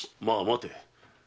まあ待て。